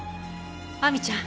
亜美ちゃん